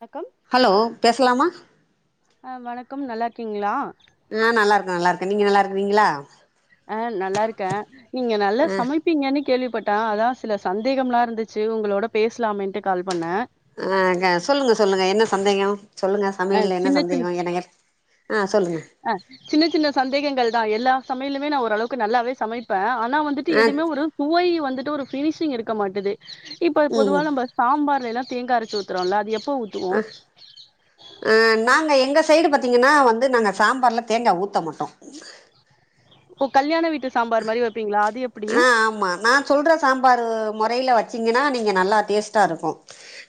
வணக்கம் ஹலோ பேசலாமா ஆ வணக்கம் நல்லா இருக்கீங்ளா நா நல்லார்க்க நல்லார்க்க நீங்க நல்லா இருக்கீறிங்ளா அ நல்லாருக்க நீங்க நல்ல ஆ சமைப் ப்பீங்கனு கேள்விப்பட்டா அதா சில சந்தேகம்லா இருந்துச்சு உங்களோட பேச்லாமென்ட்டு கால் பண்ண அ க சொல்லுங்க சொல்லுங்க என்ன சந்தேக சொல்லுங்க ஆ சமையல்ல என்ன சின்ன சந்தேகோ என்னய ஆ சொல்லுங்க அ சின்ன சின்ன சந்தேகங்கள் தா எல்லா சமையலுமே நா ஓரளவுக்கு நல்லாவே சமைப்ப அனா னா வந்துட்டு ஆ எதுமே ஒரு சுவை வந்துட்டு ஒரு பினிஷிங் இருக்க மாட்டுது இப்ப பொதுவா ம் நம்ப சாம்பார்லேலா தேங்கா அரச்சு ஊத்துறோல அது எப்போ ஊத்துவோ அ நாங்க எங்க சைடு பாத்தீங்கன்னா வந்து நாங்க சாம்பார்ல தேங்கா ஊத்த மாட்டோ ஒ கல்யாண வீட்டு சாம்பார் மாரி வெப்பிங்ளா அது எப்டி ஆ ஆமா நா சொல்ற சாம்பாரு மொறைல வச்சீங்கனா நீங்க நல்லா டேஸ்ட்டா இருக்கு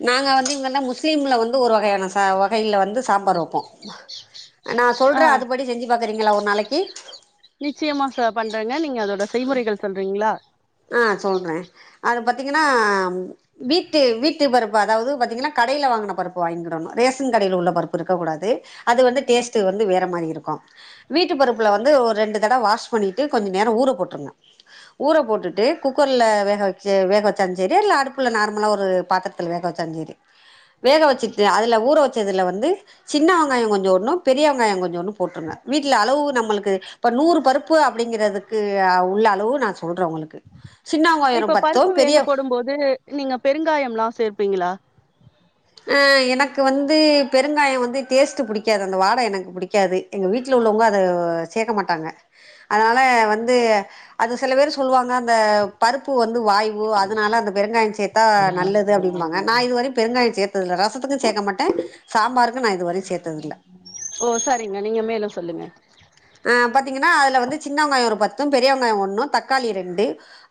நாங்க வந்து இங்கன்ன முஸ்லீம்ல வந்து ஒரு வகையான சா வகைல வந்து சாம்பார் வப்போ நா சொல்ற ஆ அது படி செஞ்சு பாக்குறீங்களா ஒரு நாளக்கி நிச்சயமா செ பண்றேங்க நீங்க அதோட செய்முறைகள் சொல்றீங்ளா ஆ சொல்ற அது பத்தீங்கன்னா வீட்டு வீட்டு பருப்பு அதாவது பாத்தீங்கன்னா கடைல வாங்குன பருப்பு வாங்கிக்கிடணு ரேஷன் கடைல உள்ள பருப்பு இருக்க கூடாது அது வந்து டேஸ்ட்டு வந்து வேற மாரி இருக்கு வீட்டு பருப்புல வந்து ஒரு ரெண்டு தடவ வாஷ் பண்ணிட்டு கொஞ்ச நேர ஊற போட்ருங்க ஊற போட்டுட் டு குக்கர்ல வேக வச்சு வேக வச்சாலு செரி இல்ல அடுப்புல நார்மலா ஒரு பாத்திரத்துல வேக வச்சாலு செரி வேக வச்சுட்டு அதுல ஊற வச்சதுல வந்து சின்ன வெங்காய கொஞ்ச உன்னு பெரிய வெங்காய கொஞ்சோன்டு போட்ருங்க வீட்ல அளவு நம்மளுக்கு இப்ப நூறு பருப்பு அப்டிங்கிறதுக்கு உள்ள அளவு நா சொல்ற உங்களுக்கு சின்ன இப்ப வெங்காயம் பருப்பு பத்தும் பெரிய வேகப்போடு போது நீங்க பெருங்காயம் லா சேப்பீங்ளா அ எனக்கு வந்து பெருங்காயோ வந்து டேஸ்ட்டு புடிக்காது அந்த வாட எனக்கு புடிக்காது எங்க வீட்ல உள்ளவங்க அத சேக்க மாட்டாங்க அதனால வந்து அது சில வேரு சொல்வாங்க அந்த பருப்பு வந்து வாய்வு அதனால அந்த பெருங்காய சேத் தா நல்லது அப்டிம்பாங்க நா இதுவரயு பெருங்காய சேத்ததில்ல ரசத்துக்கு சேக்க மாட்ட சாம்பாருக்கு நா இது வரயு சேத்ததில்ல ஓ சரிங்க நீங்க மேல சொல்லுங்க ஆ பாத்தீங்கன்னா அதுல வந்து சின்ன வெங்காயோ ஒரு பத்தும் பெரிய வெங்காயோ ஒண்ணு தக்காளி ரெண்டு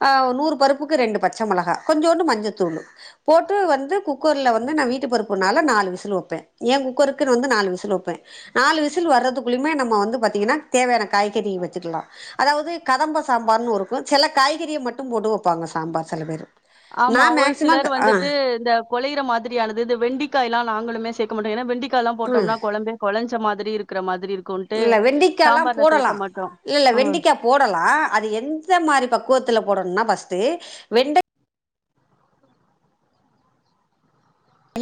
ஆ ஒ நூறு பருப்புக்கு ரெண்டு பச்ச மொளகா கொஞ்சோண்டு மஞ்சத்தூளு போட்டு வந்து குக்கர்ல வந்து நா வீட்டு பருப்புனால நாலு விசில் வப்பெ ஏ குக்கருக்குன் வந்து நாலு விசில் வப்பெ நாலு விசில் வர்றதுக்குள்ளயுமே நம்ம வந்து பாத்தீங்கன்னா தேவயான காய்கறி வச்சிக்குலா அதாவது கதம்ப சாம்பார்னு ஒருக்கு சில காய்கறிய மட்டு போட்டு வப்பாங்க சாம்பார் செல பேரு நா ஆமா ஒரு மேக்சிமம் சிலர் ஆ வந்துட்டு இந்த குழையிற மாதிரியானது இந்த வெண்டிக்காய்லா நாங்களுமே சேக்க மாட்டோ ஏனா வெண்டிக்காலா ம் போட்டோம்னா குழம்பே கொழஞ்ச மாதிரி இருக்கிற மாதிரி இருக்குன்ட்டு இல்ல வெண்டிக்காலா சாம்பார்ல போடலா சேக்க மாட்டோ இல்ல இல்ல ம் வெண்டிக்கா போடலா அது எந்த மாரி பக்குவத்துல போடணுனா பஸ்டு வெண்ட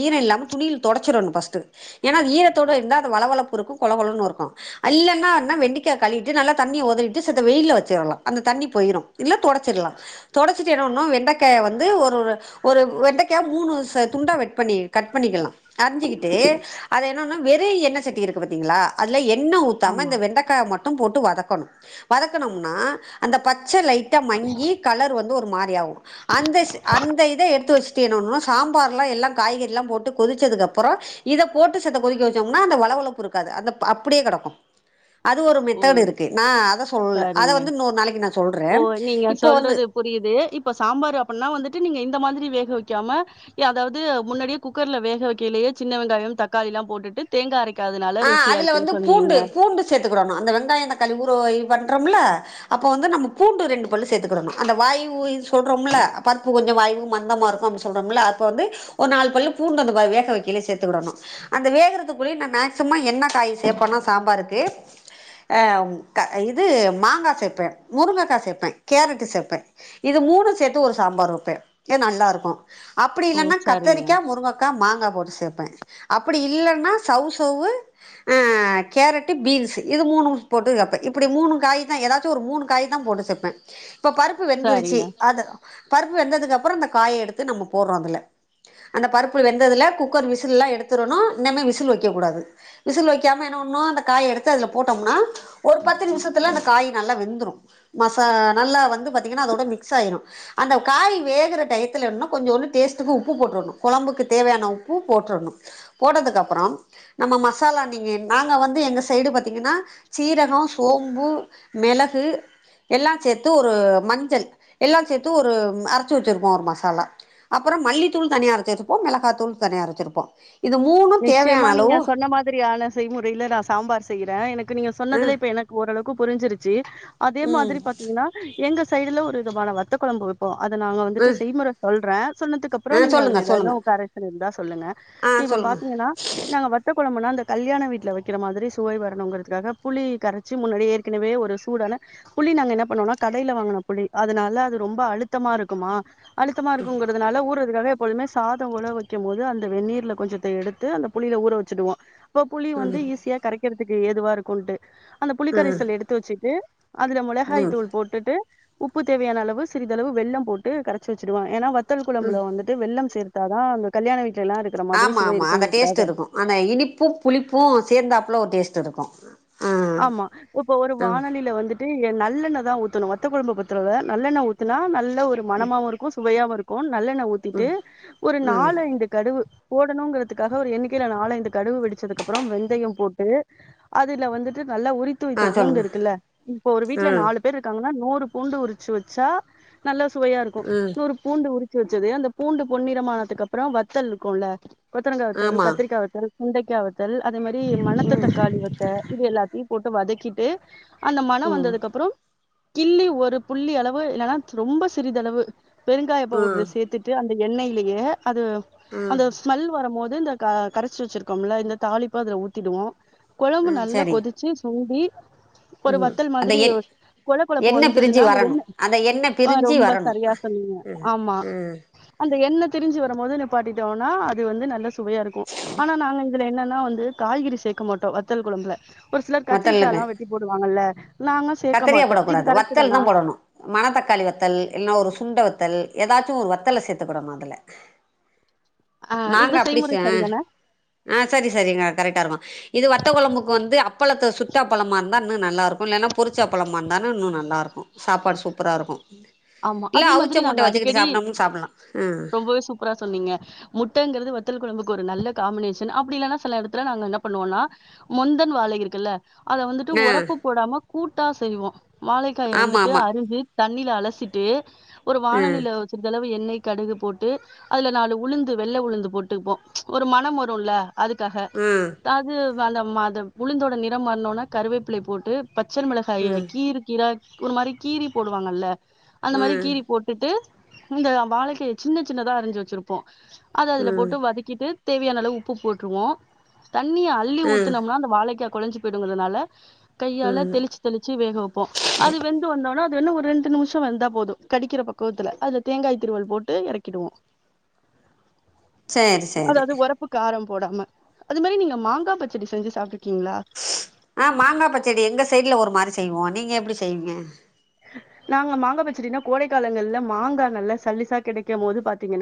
ஈர இல்லாம துணில் தொடச்சிரணு ஃபர்ஸ்ட்டு ஏன்னா அது ஈரத்தோடு இருந்தா அது வழவழப்பு இருக்கு கொழகொழன்னு இருக்கு அல்லன்னா இன்ன வெண்டிக்கா கழிட்டு நல்லா தண்ணி ஒதறிட்டு செத்த வெய்ல வச்சிறலா அந்த தண்ணி போய்ரு இல்ல தொடச்சிர்லா தொடச்சிட்டு என்ன பண்ணு வெண்டக்காய வந்து ஒரு ஒரு வெண்டைக்கா மூணு ச துண்டா வெட் பண்ணி கட் பண்ணிக்கலா அரிஞ்சிக்கிட்டு அத என்னன்ன வெறு எண்ணெ சட்டி இருக்கு பாத்தீங்ளா அதுல எண்ணெ ஊத்தாம ஆமா இந்த வெண்டக்கா மட்டும் போட்டு வதக்கணு வதக்குனம்னா அந்த பச்ச லைட்டா மங்கி கலர் வந்து ஒரு மாரி ஆவு அந்த செ அந்த இத எடுத்து வச் செய்னொனா சாம்பார்ல எல்லா காய்கறிலா போட்டு கொதிச்சதுக்கப்பறோ இத போட்டு செத்த கொதிக்க வச்சோம்னா அந்த வழவழப்பு இருக்காது அந்த அப்டியே கடக்கு அது ஒரு ஓ மெத்தடு இருக்கு நா அத சொல்ல அத சரிங்க வந்து இன்னொரு நாளைக்கு நா சொல்ற ஓ நீங்க இப்போ வந்து சொல்றது புரியுது இப்போ சாம்பார் அப்பன்னா வந்துட்டு நீங்க இந்த மாதிரி வேக வெக்காம ஏ அதாவ்து முன்னாடியே குக்கர்ல வேக வெக்கலேயே சின்ன வெங்காயோ தக்காளில்லா போட்டுட்டு தேங்கா அரைக்காதனால ருசியா இருக்குன் சொன்னீங்க சேத்துக்குடணு அந்த வெங்காயோ தக்காளி ஊறோ இது பண்றோம்ல அப்போ வந்து நம்ம பூண்டு ரெண்டு பல்லு சேத்துக்குடணு அந்த வாய்வு இது சொல்றோம்ல பருப்பு கொஞ்சோ வாய்வு மந்தமா இருக்கோம் அப் சொல்றோம்ல அப்போ வந்து ஒரு நால் பல்லு பூண்டு வந்து வேக வைக்கல சேத்துக்குடணு அந்த வேகறதுக்குள் இன்னா மேக்ஸ் சிமோ என்ன காய் சேப்பனா சாம்பாருக்கு ஆ இது மாங்கா சேப்பே முருங்கக்கா சேப்பே கேரட்டு சேப்பே இது மூணு சேத்து ஒரு சாம்பார் வெப்பே இத் நல்லாருக்கோ அப்படி ஓ இல்லன்னா சரிங்க கத்தரிக்கா முருங்கக்கா மாங்கா போட்டு சேப்ப அப்படி இல்லன்னா சவ் சவ்வு ஆ கேரட்டு பீன்ஸு இது மூணும் போட்டு வெப்ப இப்படி மூணு காய் தா எதாச்சு ஒரு மூணு காய்தா போட்டு சேப்ப இப்ப பருப்பு சரிங்க வெந்துருச்சு அத பருப்பு வெந்ததுக்கு அப்புறோ அந்த காய எடுத்து நம்ம போட்றோ அதுல அந்த பருப்பு வெந்ததுல குக்கர் விசில்லா எடுத்துறணு இன்ன மே விசில் வைக்க கூடாது விசில் வைக்காம என்ன பண்ணு அந்த காய எடுத்து அதுல போட்டோம்னா ஒரு பத்து நிமிஷத்துல அந்த காய் நல்லா வெந்துரு மசா நல்லா வந்து பாத்தீங்கன்னா அதோட மிக்ஸ் ஆயிரு அந்த காய் வேகற டயத்துல வேண்ணா கொஞ்சொண்டு டேஸ்டுக்கு உப்பு போட்டுர்ணு கொழம்புக்கு தேவையான உப்பு போட்டுர்ணு போட்டதுக்கப்புறோம் நம்ம மசாலா நீங்க நாங்க வந்து எங்க சைடு பாத்தீங்கன்னா சீரகோ சோம்பு மெளகு எல்லா சேத்து ஒரு மஞ்சள் எல்லா சேத்து ஒரு அரச்சு வச்சிருப்போ ஒரு மசாலா அப்புறோ மல்லித்தூள் தனியா அரச்சி வச்சிருப்போ மெளகா தூள் தனியா அரச்சிருப்போ இது மூணும் தேவையான நிச்சயமா நீங்க அளவு சொன்ன மாதிரியான செய்முறைய்ல நா சாம்பார் செய்ற எனக்கு நீங்க ஆ சொன்னதுல இப்ப எனக் ஓரளவுக்கு புரிஞ்சிருச்சு அதே ம் மாதிரி பாத்தீங்கன்னா எங்க சைடுல ஒரு விதமான வத்த கொழம்பு வெப் போ அத நாங்க வந்துட்டு ம் செய்முற சொல்ற சொன்னதுக் கப்புறோ ஆ நீங்க சொல்லுங்க அதுல எதாவ்துனா சொல்லுங்க கரெக்ஷன் இருந்தா சொல்லுங்க ஆ இப்போ சொல்லுங்க பாத்தீங்கன்னா நாங்க வத் வத்த கொழம்புன்னா அந்த கல்யாண வீட்ல வைக்கிற மாதிரி சுவை வரணுங்கிறதுக்காக புளி கரச்சி முன்னாடி ஏற்கனவே ஒரு சூடான புளி நாங்க என்ன பண்ணுவோனா கடையில வாங்கன புளி அதனால அது ரொம்ப அழுத்தமா இருக்குமா அழுத்தமா இருக்குங்கறதுனால ஊறதுக்காக எப்போழுமே சாதோ உழ வைக்கு போது அந்த வெந்நீர்ல கொஞ்சத்த எடு த்து அந்த புளியில ஊற வச்சுடுவோ அப்ப புளி வந்து ஈஸியா கரைக்கிறதுக்கு ஏதுவா இருக்கும்ட்டு அந்த ம் புளிக்கரைசல் எடுத்து வச்சுட்டு அதுல மொளகாய் ம் தூள் போட் டுட்டு உப்பு தேவையான அளவு சிறிதளவு வெள்ளம் போட்டு கரச்சி வச்சுடுவ ஏன்னா வத்தல் ம் குழம்புல வந்துட் டு வெள்ளம் சேத்தா தா அந்த கல்யாண வீட்லல்லா இருக் ஆமாமா அந்த டேஸ்ட்டு இருக்கோ ஆனா இனிப்பும் புளிப்பும் சேந்தாப்புல ஒரு டேஸ்ட்டு இருக்கோ ஆமா இப்ப ஒரு வானொலியில வந்து ட்டு இங்க நல்லெண்ணெ தா ஊத்தனு வத்த கொழம்ப பொறுத்தளவுல நல்லெண்ணெ ஊத்துனா நல்ல ஒரு மணமாவு இருக்கு சுவையாவு இருக் கு நல்லெண்ணெ ஊத்திட்டு ஒரு ம் நாலு ஐந்து கடுவு போடணுங்கிறத்துக்காக ஒரு எண்ணிக்கைல நாலைந்து கடுவு வெடிச்சதுக்கப்பற வெந்தய போட்டு அதுல வந்துட் ட்டு நல்லா உரித்து ஆ வைத்த பூண்டு சொல்லுங்க இருக்குல்ல இப்ப ஒரு வீட்ல ம் நாலு பேரு இருக்காங்கனா நூறு பூண்டு உரிச்சு வெச்சா நல்லா சுவையா இருக்கு ம் நூறுப் பூண்டு உரிச்சு வெச்சது அந்த பூண்டு பொன்னிறமானத்துக்கப்றோ வத்தல் இருக்குல்ல கொத்தவரங்கா வத்தல் ஆமா கத்திரிக்கா வத்தல் சுண்டைக்கா வத்தல் அதே மாரி மணத்ததக்காளி வத்த இது எல்லா த்தயு போட்டு வதக்கிட்டு அந்த மண ம் வந்ததுக்கப்பறோ கிள்ளி ஒரு புள்ளி அளவு இல்லனா ரொம்ப சிறிதளவு பெருங்காய பவுட்ரு சேத்துட் டு அந்த எண்ணெயிலயே அது அந்த ஸ்மெல் வரும் மோது இந்த க கரைச்சு வச்சிருக்கோம்ல இந்த தாளிப்ப அதுல ஊத்திடுவோ கொழம்பு ம் நல்லா சரி கொதிச்சு சுண்டி ஒரு ம் வத்தல் அந்த மாதிரி ஒர் எ கொல கொலப்பு எண்ணெய் பிரிஞ்சு வந்ததுனா அந்த வரணும் எண்ணெ அந்த எண்ணெய் ஆ பிரிஞ்சு ரொம்ப வரணும் சரியா சொ சொன்னீங்க ஆமா ம் அந்த எண்ணெ திரிஞ்சு வரும்போது நிப்பாட்டிட்டோனா அது வந்து நல்ல சுவையா இருக்கு ஆனா நாங்க இதுல என்னன்னா வந்து காய்கறி சேக்க மாட்டோ வத்தல் கொழம்புல ஒரு சிலர் வத்தலுங்க கத்திரிக்காலா வெட்டி போடுவாங்கல்ல நாங்க சேக்க கத்திரியா மாட்டோ இது போடக்கூடாது கரெக்ட்டு வத்தல் தானா தான் போடணும் மணத்தக்காளி வத்தல் இல்லனா ஒரு சுண்ட வத்தல் எதாச்சு ஒரு வத்தல சேத்துக்கிடணு அதுல ஆ இந்த செய்முறை செ சாரி தானா ஆ சரி சரிங்க கரெக்டா இருக்கு இது வத்த கொழம்புக்கு வந்து அப்பளத்த சுட்ட அப்பளமா இருந்தா இன்னு நல்லா இருக்கு இல்லனா பொரிச்ச அப்பளமா இருந்தாலு இன்னு நல்லாருக்கு சாப்பாடு சூப்பரா இருக்கு ஆமா இல்ல அதே அவுச்ச மாதிரி நாங்க முட்ட வச்சுக்கிட்டு சாப்பிடனுன் சாப்பிட்லா ம் ப்பரா சொன்னீங்க முட்டங்கிறது வத்தல் கொழம்புக்கு ஒரு நல்ல காம்பினேஷன் அப்டி இல்லனா சில எடத்துல நாங்க என்ன பண்ணுவோனா மொந்தன் வாழை இருக்குல்ல அத வந்துட்டு ஆ ஒரப்பு போடாம கூட்டா செய்வோ வாழைக்காய ஆமாம் வந்துட்டு ஆமாம் அருகி தண்ணில அலசிட்டு ஒரு ம் வாணலில சிறிதளவு எண்ணெய் கடுகு போட்டு அதுல நாலு உளுந்து வெள்ள உளுந்து போட்டுப்போ ஒரு மணம் வருல்ல அதுக்காக ம் அது அந்த மத உளுந்தோட நிறம் மாற்னோனா கருவேப்பிலை போட்டு பச்சரு மிளகாய ம் கீரு கீரா ஒரு மாரி கீறி போடுவாங்கல்ல அந்த மாரி கீறக ம் போட் டுட்டு இந்த வாழைக்காய சின்ன சின்னதா அரிஞ்சு வெச்சிருப்போ அத அதுல போட்டு வதக் கிட்டு தேவையான அளவு உப்பு போட்ருவோ தண்ணிய அள்ளி ம் ம் ஊத்துனம்னா அந்த வாழைக்கா கொலஞ்சு போயிடுங்கிறதுனால கையால ம் தெளிச்சு தெளிச்சு வேக வெப்போ அது வெந்து வந்தோனா அதென்ன ஒரு ரெண்டு நிம்ஷம் வெந்தாப் போது கடிக்கிற பக்குவத்துல அதுல தேங்காய் திருவல் போட்டு எறக்கிடுவோ சேரி சேரி அதாவ்து ஒரப் பு காரம் போடாம அது மாரி நீங்க மாங்கா பச்சடி செஞ்சு சாப்ட்ருக்கீங்ளா ஆ மாங்கா பச்சடி எங்க சைட்ல ஒரு மாரி செய்வோ நீங்க எப்டி செய்வீங்க நாங்க மாங்கா பச்சடினா கோடை காலங்கள்ல மாங்கா நல்லா சல்லிசா கெடைக்கம் போது பாத்தீங்கனா